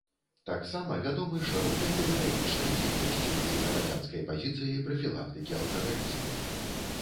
Таксама вядомы шырокай педагагічнай дзейнасцю і грамадзянскай пазіцыяй прафілактыкі алкагалізму.